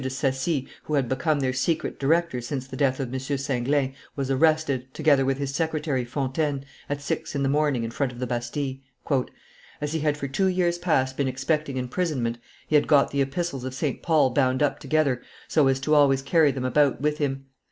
de Saci, who had become their secret director since the death of M. Singlin, was arrested, together with his secretary, Fontaine, at six in the morning, in front of the Bastille. "As he had for two years past been expecting imprisonment, he had got the epistles of St. Paul bound up together so as to always carry them about with him.